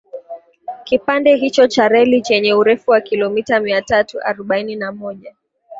Kipande hicho cha reli chenye urefu wa kilometa mia tatu arobaini na moja